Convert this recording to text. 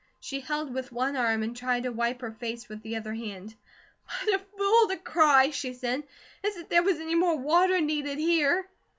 She held with one arm and tried to wipe her face with the other hand. "What a fool to cry!" she said. "As if there were any more water needed here!"